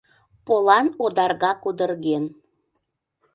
Полан одарга кудырген